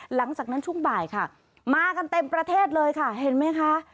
หลังจากนั้นช่วงบ่ายค่ะมากันเต็มประเทศเลยค่ะเห็นไหมคะ